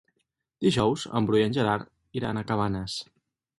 Dijous en Bru i en Gerard iran a Cabanes.